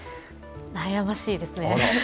悩ましいですね。